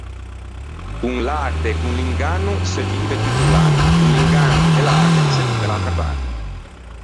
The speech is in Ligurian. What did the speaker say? Con l’arte e con l’inganno se vive tutto l’anno, con l’inganno e l’arte se vive l’atra parte.